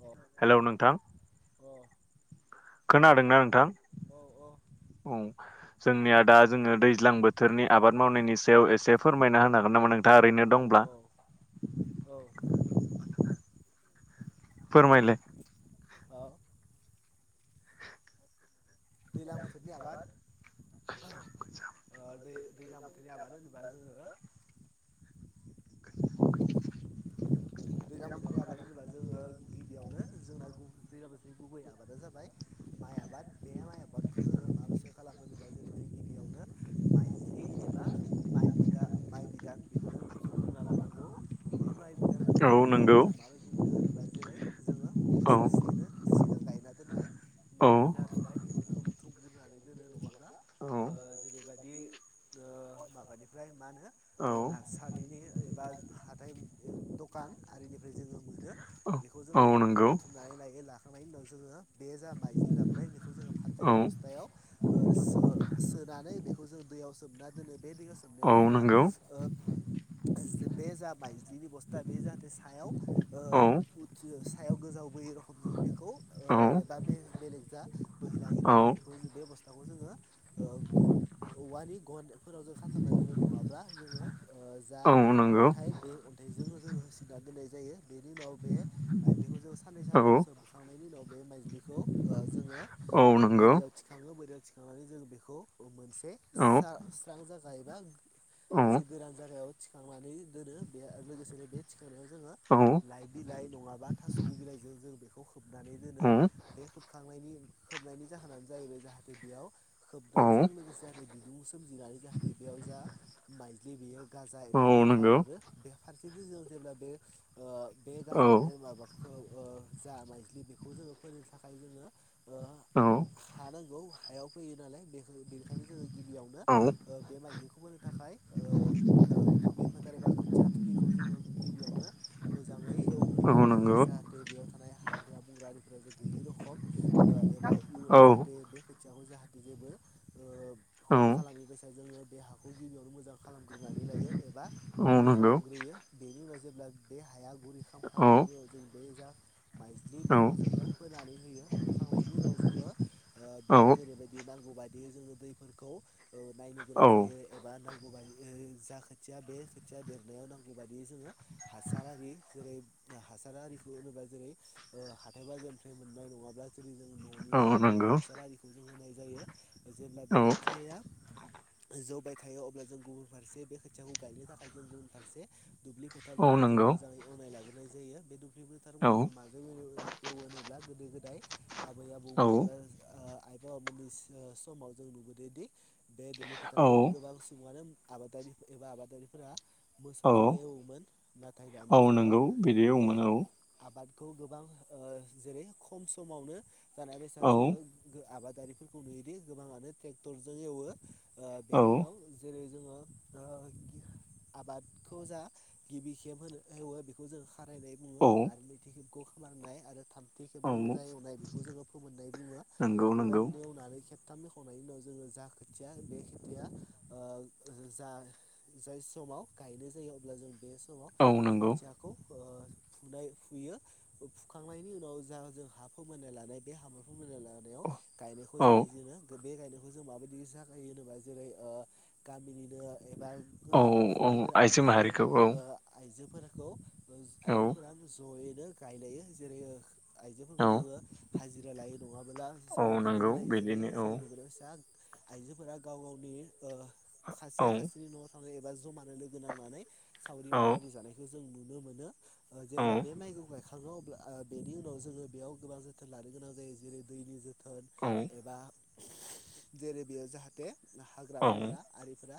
अ hello नोंथां औ खोनादोंना नोंथां औ औ जोंनिया दा जोङो दैज्लां बोथोरनि आबाद मावनायनि सायाव एसे फोरमायना होनो हागोन नामा नोंथाङा ओरैनो दंब्ला औ औ फोरमायलाय [inaudible] दैज्लां बोथोरनि आबाद ओ दै दैज्लां बोथोरनि आबाद होनोबा जोङो [inaudible] दैज्लां बोथोरनि आबाद होनोबा जोङो गिबियावनो जोंना दै-दैज्लां बोसो गुबै आबादा जाबाय माइ आबाद बे माइ आबादखौ जोङो मा बायसा खालामो जेरै जों गिबियावनो माइज्लि [inaudible] माइ बिदा माइ बिदां बेखौ जों ज खा लानांगौ बे माइ बि औ एबा नंगौ माइरंखौ जों माबायदि मोनो होनोबा जेरै जोङो बोसोरसेनो सिगां गायना दोननाय औ माइ जा फिथाइ बेखौ जोङो बुथुमग्रोनानै दोनो नङाबा औ जेरै बायदि [unintelligible] माबानिफ्राय मा होनो ओ नारसारि बा हाथायनि दक [unintelligible] बिखौ जोंङो औ नंगौ बुथुमनानै लायो लाखांनायनि उनाव जोंङो बे जा मायज्लि लाबनाय बेखौ जोंङो औ फाथोनि बसथायाव ओ सो सोनोनै बिखौ जों दैयाव सोम नो दोनो बे दैयाव सोमन्नायाव औ जोंङो नंगौ ओब जि बे जाबाय जि बे थानि जाहाथे सायाव ओ औ उथियो सायाव गोजाव बोयो रखम जों बिखौ ओ औ दा बे बेलेग जा बोहैलांङो औ रखम बेखौ बे बसथाखौ जोंङो ओ गन औवा नि गन फोराव खाथाबना दोनो नंङाब्ला जोंङो ओ जा औ नंगौ अन्थाइ बे अन्थाइ जोंनो जोंङो होसिन्ना दोन्नाय जायो, बिनि उनाव बे माइज्लि सान्नै औ सानथाम सोमखां नायनि उनाव मायज्लिखौ ओ जोंङो औ ओ नंगौ बोरियाव थिखांङो बोरियाव थिखांनानै जोंङो बिखौ मोनसे औ सा- स्रां जागा एबा औ मोनसे गोरान जायागायाव थिखांनानै दोनो बे लोगोसे योरो बे थिखांनायाव जोंङो औ नंगौ लाइ बिलाइ नंङाबा थास'नि बिलाइजों जों बेखौ खोबनानै दोनो। औ बे खोबखांनायनि खोबनायनि जाहोनानो जाहैबाय जाहाथे बेयाव औ खोबनायजों लोगोसे आरो बिदि मुं सोमजिनानै जाहाथे बेयाव जा माइज्लि बेयो गाजा औ एबा फेंखा नंगौ अरो बे फारसे जों जेब्ला बे ओ बे औ गाजावनाय माबाखौ ओ जा माइज्लि बेखौ जोंङो फोर नि थाखाय जोंङो ओ औ हानांगौ हायाव फैयो नालाय बेनिखायनो जोंङो गिबियावनो ओ बे माइलिखौ बोनो थाखाय हाय ओ ओ दुबि फोथार एबा खोथिया फुलिखौ जोंङो गिबियावनो मोजांङै एवग्रोना लायो, जाहाथे बेयाव थानाय हाग्रा बंग्रारिफोरा गैयै रखम ओ एबा इयुनाव जाहाथे बे खोथियाखौ जाहाथे जेबो ओ खहा खालामै बसा जोंङो बे हा खौ गिबियावनो मोजां खालामग्रोनानै लायो एबा गुरै खा गौ बेनि उनाव जेब्ला बे हाया गुरै औ खालामखांनायनि उनाव जों बे जा माइज्लि औ बेखौ जोंङो फोनानै होयो फोखांनायनि उनाव जोंङो ओ बेयाव औ जेरैबायदि नांगौ बायदियै जोंङो दैफोरखौ खौ ओ नायनो गोनां औ जायो एबा नांगौ जा खोथिया बे खोथिया देरनायाव नांगौ बाददियै जोंङो हासारारि जेरै हासार आरिखौ होनोबा जेरै ओ हाथाय बाजारनिफ्राय मोननाय नंङाब्ला जुदि जों औ न'निनो गोबोर नंगौ हासार आरिखौ जों होनाय जायो। जे अब्ला बे औ खोथियाया जौबाय थायो अब्ला जों गुबुन फारसे बे खोथियाखौ गायनो थाखाय जों गबुन फारसे दुब्लि औ फोथारफोरखौ जों नंगौ मोजांङै एवनाय लाग्रोनाय जायो बे दुब्लि फोथारफोरखौ औ जों माजों एवोन एवोनोब्ला गोदो गोदाय आबै आबौमोन औ एबा ओ आइ बाबा मोनन्नि सो-सम समाव जों नुबोदोंदि बे दुब्लि फोथारखौ औ गोबां सुबुंङानो आबादारि एबा आबादारिफोरा मोसौजों औ एवोमोन नाथाय औ दानि जुगाव नंगौ बिदि बे औमोन औ आबादखौ गोबां ओ जेरै खम समावनो जानाय बेसा जोंङो औ गो आबाद गारिफोरखौ नुयोदि गोबांङानो ट्रेक्टर जों एवो बेनि औ उनाव जेरै जोंङो [inaudible] आबादखौ जा गिबि खेब होनो होवो बेखौ जों खारायनाय बुंङो। औ आरो नैथि खेबखौ ख नाय आरो थामथि औ खेवजा एवनाय बेखौ जोंङो फोमोननाय बुङो। नंगौ नंगौ बेबायदिनो एवनानै खेबथाम खावनायनि उनाव जोंङो जा खोथिया बे खोथिया जा जाय समाव गायनाय जायो अब्ला जों बे समाव औ बे नंगौ खोथियाखौ फो फुनाय फुयो। हुखांनायनि उनाव जा जों हा फोमोननाय लानाय बे हाबा फोमोननाय लानायाव गायनायखौ औ जागाय जेनो। गो बे गायनायखौ जों माबायदि जागायो होनोबा जेरै ओ गामिनिनो एबा हो न औ नखरनिफोर आइजो माहारिखौ औ ओ आइजोफोरखौ औ आइजोफोरा जयैनो रायलायो जेरै आइजोफोर औ खौ जोंङो हाजिरा लायो नंङाब्ला औ जोंङो गोदो नंगौ गोदाय जेरै बिदिनो जों [unintelligible] आइजोफोरा गाव गावनि ओ औ खासेया खासेनि न'आव थांनाय एबा जमा लोगो नांनानै सावरि औ बादारि जानायखौ जों नुनो मोनो। औ जेब्ला बे माइखौ गाय थांङो अब्ला बेनि उनाव जोंङो बेयाव गोबां जोथोन लानो गोनां जायो जेरै दैनि जो थोन औ एबा जेरै बेयाव जाहाथे हाग्रा बंग्रा औ आरिफोरा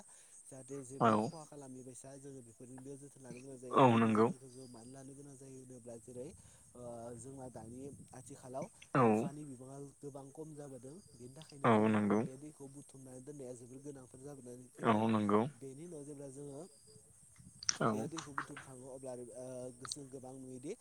जाहाथे औ जेबो खहा खालामैबायसा जोंङो बेफोरजोंबो जोथोन लानो गोनां जायो औ दैनि नंगौ जोथोनखौ जों मानो लानो गोनां जायो होनोब्ला जेरै ओ जोंना दानि आथिखालाव औ अखानि बिबांङा गोबां खम जाबोदों बेनि थाखायनो औ जोंङो नंगौ बे दैखौ बुथुमनानै दोननाया जोबोर गोनां। थाब जाबोनानै औ फैदों नंगौ बेनि उनाव जेब्ला जोंङो औ बे दैखौ बुदुंखाङो अब्ला ओ गोसो गोबां नुयोदि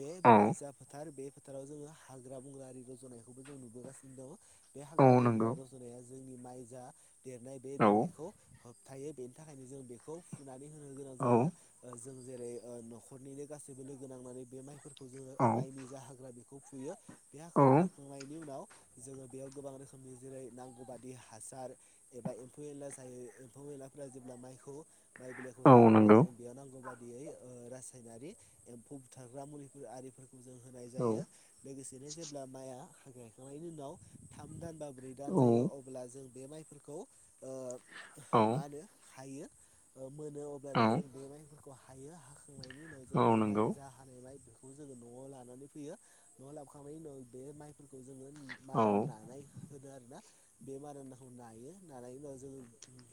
बे औ माइ जा फोथार बे फोथाराव जोङो हाग्रा बंग्रा आरि रज'नायखौबो जों नुबोगासिनो दंङ। बे औ हाग्रा बंग्रा नंगौ रज'नाया जोंनि माइ जा देरनाय बे औ देरनायखौ होबथायो बे थाखायनो जों बेखौ फुनानै होनो गोनां औ जायो ओ जों जेरै ओ न'खरनिनो गासैबो लोगो नांनानै बे माइफोरखौ जोंङो माइनि जा हाग्रा बे खौ फुयो बे हाखर औ औ फुखांनायनि उनाव जोङो बेयाव गोबां रोखोमनि जेरै नांगौ बादि हासार एबा एम्फौ एनला जायो एम्फौ एनला जेब्ला माइखौ माइ बिलाइखौ औ जायो अब्ला नंगौ जों बेयाव नांगौ बा यदियै ओ सायनारि एम्फौ बुथारग्रा मुलिफोर आरिफोर जों होनाय औ जायो लोगोसेनो जेब्ला माइआ गायखांनायनि उनाव थाम दान बा ब्रै दान औ जायो अब्ला जों बे माइफोरखौ ओ औ। मा होनो हायो मोनो औ अब्लानो जों बे माइफोरखौ हायो। खांनायनि उनाव जों औ बे नंगौ जा हानाय माइ जोंङो न'आव लानानै फैयो न'आव लाबोखांनायनि उनाव बे माइ फोरखौ जोंङो औ मारा नानाय होनो आरो ना। बे मारानदाखौ नायो नानायनि उनाव जों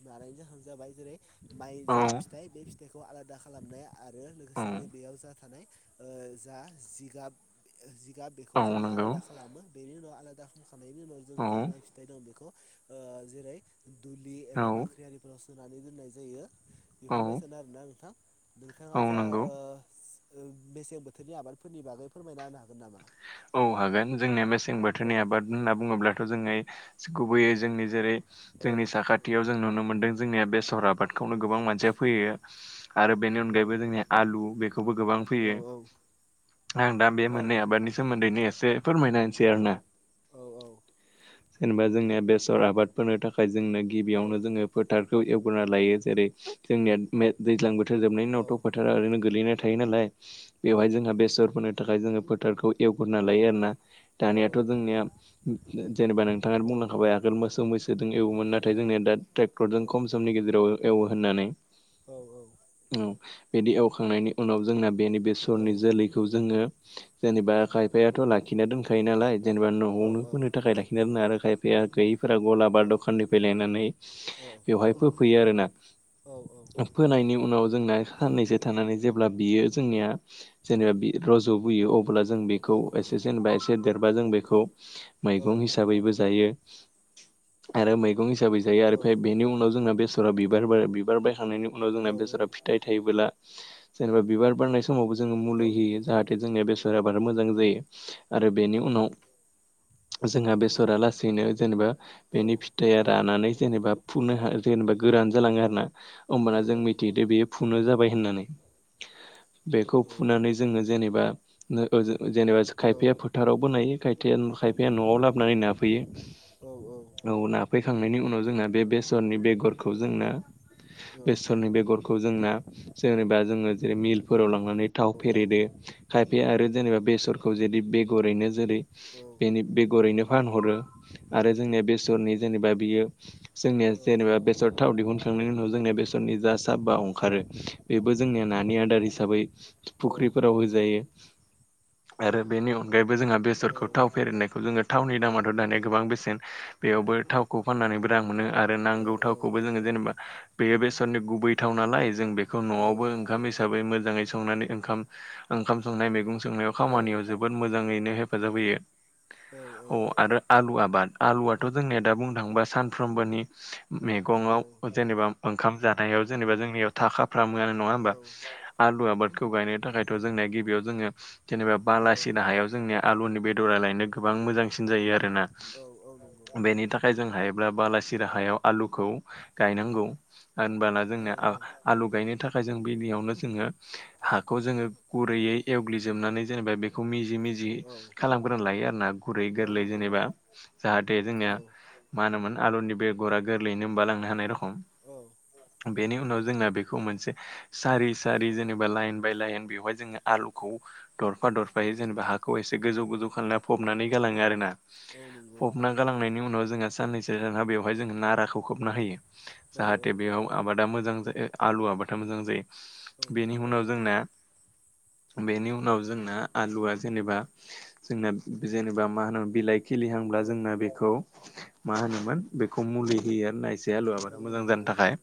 नानायनि जाहोन जाबाय जेरै माइ जा औ फिथाइ बे फिथाइखौ आलादा खालामनाय आरो लोगोसेनो बेयाव जा थानाय ओ जा जिगाब जिगाब बेखौ औ जोंङो नंगौ आलादा खालामो बेनि उनाव आलादा खामखांनायनि उनाव जों औ जा माइ फिथाइ दं बेखौ ओ जेरै दुलि एबा बाख्रिआरि सोनानै दोननाय जायो औ बेफोरबायसानो आरोना नोंथां नोंथाङा जा नंगौ ओ मेसें बोथोरनि आबादफोरनि बागै फोरमायना होनो हागोन नामा? औ हागोन जोंनिया मेसें औ बोथोरनि आबाद होनना बुंङोब्लाथ' जोंङो गुबैयै जोंनि जेरै औ जोंनि साखाथियाव जों नुनो मोनदों जोंनिया बेसर आबाद। खौनो गोबां मानसिया फोयो आरो बेनि औ अनगायैबो जोंनि आलु बेखौबो गोबां औ फैयो। आं दा बे औ मोननै आबादनि सोमोन्दैनो एसे फोरमायना‌होनोसै आरो ना। औ जेनेबा जोंनिया बेसर आबादफोरनि थाखाय जोंनो औ गिबियावनो जोंङो फोथार खौ एवग्रोना लायो जेरै जोंनिया मे दैज्लां बोथोर जोबनायनि औ उनावथ' फोथारा ओरैनो गोलैना थायो नालाय बेवहाय जोंहा बेसर फोनो थाखाय जोंङो फोथारखौ एवग्रोना लायो आरो ना। औ दानियाथ' जोंनिया जेनेबा नोंथाङानो बुंलांखाबाय आगोल मोसौ मैसोजों एवोमोन नाथाय जों निया दा ट्रेक्टरजों खम समनि गेजेराव एवो होननानै औ औ बिदि एवखांनायनि उनाव जोंना बेनि बेसरनि जोलैखौ जोंङो जेनेबा खायफायाथ' लाखिना दोनखायो नालाय। जेनेबा औ न'आवनो फोनो थाखाय लाखिनो दोनो आरो खायफाया गै फोरा गलाबा दखाननिफ्राय लायनानै बेवहाय फोफैयो आरोना। फोनायनि उनाव जोंना साननैसो थानानै जेब्ला बियो जोंनिया जेनेबा बि रज' बोयो अब्ला जों बे खौ एसे जेनबा एसे देरबा जों बेखौ मैगं हिसाबैबो जायो आरो मैगं हिसाबै जायो आरो फाय बेनि उनाव जोंना बे फोरो बिबार बा बिबार बायखांनायनि उनाव औ जोंना बेसरा फिथाइ थायोब्ला जेनेबा बिबार बारनाय समाव जोङो मुलि औ होयो नंगौ जाहाथे जोंनि बेसर आबाद मोजां जायो आरो बेनि औ उनाव जोंहा बेसरा लासैनो जेनेबा औ बेनि फिथाइया रानानै जेनेबा फुननो हा जेनेबा गोरान जालाङो आरो ना। होमबाना जों औ नंगौ मिथिदो बेयो फुनो जाबाय होननानै। बेखौ औ फुनानै जोंङो जेनेबा ओ जेनेबा खायफाया फोथारावबो नायो खायथाया खायफाया न'आव लाबोनानै नाफैयो। औ ना फैखांनायनि उनाव जोंना बे बेसरनि बेगरखौ जोंना औ बेसरनि बेगरखौ जोंना जेनेबा जोंङो जेरै मिलफोराव लांनानै थाव औ फेरेदो खायफाया आरो जेनेबा बेसरखौ जेरदि बेगरैनो जेरै बेनि बेगरैनो फानहरो आरो जोंनिया बेसरनि जेनेबा बियो जोंनिया जेनेबा बेसर थाव दिहुनखांनायनि उनाव जोंनिया बेसर नि जा साबा‌ ओंखारो बेबो जोंनिया नानि आदार हिसाबै फुख्रिफोराव होजायो आरो बेनि अनगायैबो जोंहा बेसरखौ थाव फेरनायखौ जोंङो थावनि दामाथ' दानिया गोबां बेसेन बेयावबो थावखौ फाननानैबो रां मोनो आरो आरो नांगौ थावखौबो जोंङो जेनेबा बेयो बेसरनि गुबै थाव नालाय जों बे न'आवबो ओंखाम हिसाबै मोजाङै संनानै ओंखाम ओंखाम संनाय मैगं संनाय खामानियाव जोबोद मोजाङैनो हेफाजाब होयो अ' आरो आलुआबो बाट आलुआथ' जोंनिया दा बुंनो थाङोबा सानफ्रामबोनि मैगङाव जेनेबा ओंखाम जान जानायाव जेनेबा जोंनियाव थाखाफ्रामोआनो नङा होम्बा आलु आबादखौ गायनो थाखायथ' जों गिबियाव जोङो जेनेबा बालासिना हायाव जोंनिया आलुनि बेदरा लायनो गोबां मोजांसिन जायो आरोना बेनि थाखाय जोंहाय ब्ला बालासिरा हायाव आलुखौ गायनांगौ होनबाना जोंना औ आलु गायनो थाखाय जोङो गिबियावनो जोङो हाखौ जोंङो गुरैयै एवग्लि। जोबनानै जेनेबा बेखौ मिजि मिजि खालामग्रो लायो आरोना गुरै गोरलै जेनेबा। जाहाथे जोंनिया मा होनोमोन आलुनि बेगरा गोरलैयैनो होनबालांनो हानाय रखम बेनि उनाव जोंहा बेखौ मोनसे सारि सारि जेनेबा लाइन बाय लाइन बेवहाय जोङो आलुखौ दरफा दरफायै जेनेबा हाखौ एसे गोजौ गोजौ खालामना फबनानै गालाङो आरोना फबना गालांनायनि उनाव जोंहा साननैसो जानहा बेवहाय जोङो नाराखौ खोबना होयो। जाहाथे बेयाव आबादा मोजां जायो [inaudible] आलु आबादा मोजां जायो। बेनि उनाव जोंना बेनि उनाव जोंना आलुआ जेनेबा जोंना जेनेबा मा होनो बिलाइ खिलिहांब्ला जोंना बेखौ मा होनोमोन बेखौ मुलि होयो आरो नायसै बे आलु आबादा मोजां जानो थाखाय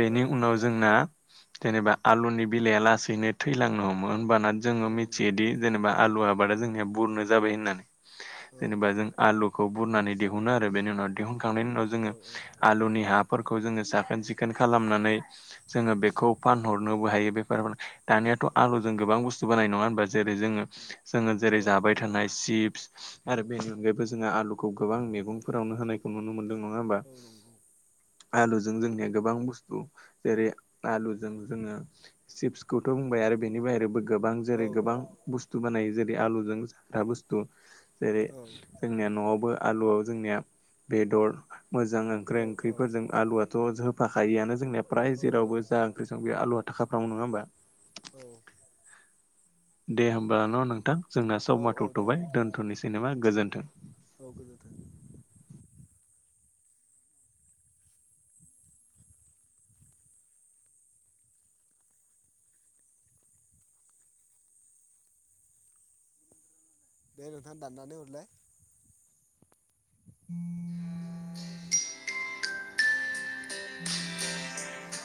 बेनि उनाव जोंना जेनेबा आलुनि बिलाइया लासैनो थैलांनो हमो बाना जोङो मिथियोदि जेनेबा आलु आबादा जोंनिया बुरनो जाबाय होननानै जेनेबा जों आलुखौ बुरनानै दिहुनो आरो बेनि उनाव दिहुनखांनायनि उनाव जोङो आलुनि हा फोरखौ जोङो साखोन सिखोन खालामनानै जोङो बेखौ फानहरनोबो हायो बेरफोरनो एाथ' आलु जों गोबां बुस्थु बानायो नङा होम्बा जै जोङो जोङो जेरै जाबाय थानाय चिप्स आरो बेनि बेबो जोंहा आलुखौ गोबां मेगंफोरावनो होनायखौ नुनो मोनदों नङा होमबा आलुजों जोंनिया गोबां बुस्थु जेरै आलुजों जोङो चिप्सखौथ' बुंबाय आरो बेनि बाहेरैबो गोबां जेरै गोबां बुस्थु बानायो जेरै आलुजों [unintelligible] बुस्थु जेरै जोंनिया न'आवबो आलुआव जोंनिया बेदर मोजां [unintelligible] ओंख्रिफोरजों आलुआ थ' होफाखायो आनो जोंनिया फ्राय जेरावबो जा ओंख्रि सं बेयो आलुआ थाखाफ्रामो नङा होम्बा दे होमबा न' नोंथां जोंना स समा दे थौथ'बाय नोंथां दोनथ'निसै नामा गोजोन्थों। औ गोजोन्थों दे नोंथां दाननानै हरलाय [inaudible] [inaudible]